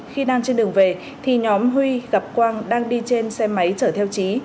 khi đang trên đường về thì nhóm huy gặp quang đang đi trên xe máy chở theo trí